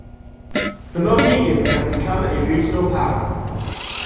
The Mohegans had become a regional power.